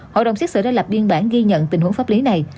hội đồng xét xử đã lập biên bản ghi nhận tình huống pháp lý này